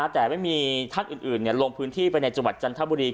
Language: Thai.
แต่ไม่มีท่านอื่นลงพื้นที่ไปในจังหวัดจันทบุรี